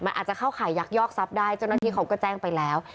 มันอาจจะเข้าข่ายยักยอกทรัพย์ได้เจ้าหน้าที่เขาก็แจ้งไปแล้ว